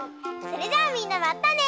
それじゃあみんなまたね！